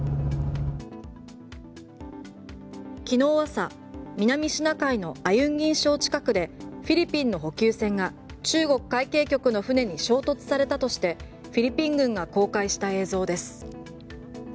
昨日、朝南シナ海のアユンギン礁近くでフィリピンの補給船が中国海警局の船に衝突されたとしてフィリピン軍が公開した映像です。